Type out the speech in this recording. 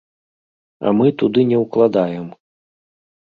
А мы туды не ўкладаем.